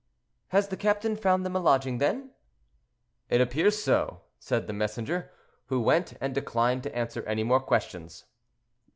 "Has the captain found them a lodging, then?" "It appears so," said the messenger, who went, and declined to answer any more questions.